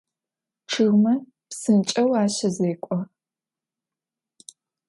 Ççıgme psınç'eu aşezêk'o.